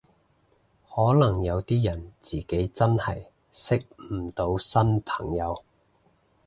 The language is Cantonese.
可能有啲人自己真係識唔到新朋友